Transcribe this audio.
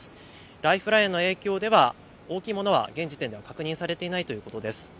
ライフラインへの影響では大きいものは現時点では確認されていないということです。